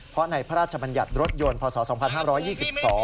เพราะในพระราชบัญญัติรถยนต์พศ๒๕๒๒